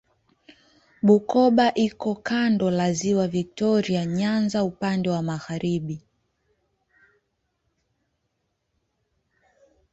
Bukoba iko kando la Ziwa Viktoria Nyanza upande wa magharibi.